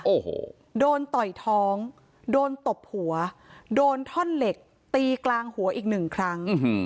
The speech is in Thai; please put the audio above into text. โอ้โหโดนต่อยท้องโดนตบหัวโดนท่อนเหล็กตีกลางหัวอีกหนึ่งครั้ง